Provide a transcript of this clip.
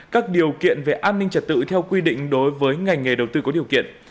các điều kiện về an ninh trật tự theo quy định đối với ngành nghề đầu tư có điều kiện